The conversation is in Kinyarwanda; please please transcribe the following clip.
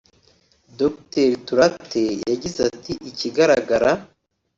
Dr Turate yagize ati “Ikigaragara